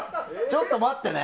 ちょっと待ってね。